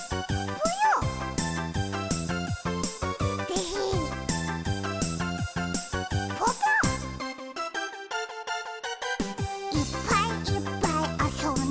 ぽぽ「いっぱいいっぱいあそんで」